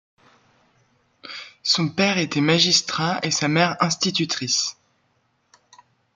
Son père était magistrat et sa mère institutrice.